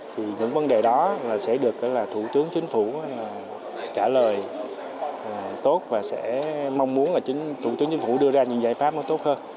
thì những vấn đề đó sẽ được thủ tướng chính phủ trả lời tốt và sẽ mong muốn thủ tướng chính phủ đưa ra những giải pháp tốt hơn